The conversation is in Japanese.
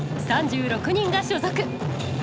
３６人が所属。